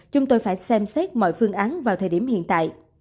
chúng tôi phải xem xét mọi phương án vào thời điểm hiện tại